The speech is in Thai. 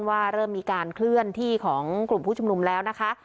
ว่าเริ่มมีการเคลื่อนที่ของกลุ่มผู้ชุมนุมแล้วนะคะ